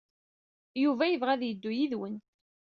Yuba yebɣa ad yeddu yid-wen.